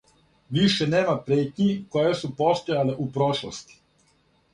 Више нема претњи које су постојале у прошлости.